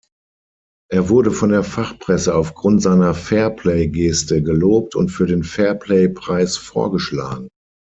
Er wurde von der Fachpresse aufgrund seiner Fairplay-Geste gelobt und für den Fairplay-Preis vorgeschlagen.